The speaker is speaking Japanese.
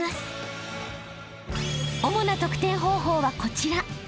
［主な得点方法はこちら］